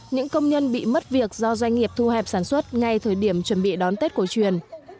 những công nhân bị mất việc do doanh nghiệp thu hẹp sản xuất ngay thời điểm chuẩn bị đón tết cổ truyền